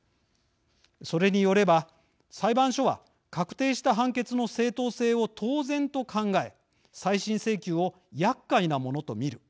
それによれば裁判所は確定した判決の正当性を当然と考え再審請求をやっかいなものと見る。